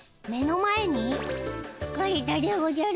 つかれたでおじゃる。